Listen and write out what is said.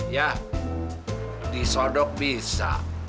ya disodok bisa